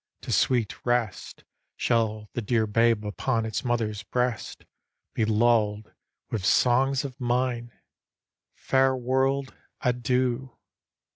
To sweet rest Shall the dear babe, upon its mother's breast. Be lull'd with songs of mine. Fair world, adieu